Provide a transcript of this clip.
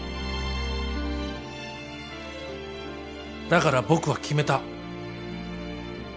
だから僕は決めた。